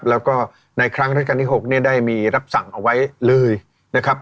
แล้วก็ในครั้งราชการที่๖เนี่ยได้มีรับสั่งเอาไว้เลยนะครับ